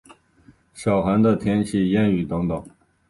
小寒的天气谚语等等。